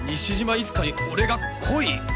いつかに俺が恋！？